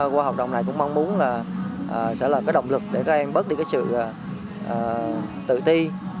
qua học đồng này cũng mong muốn là sẽ là cái động lực để các em bớt đi cái sự tự ti